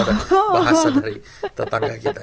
bahasa dari tetangga kita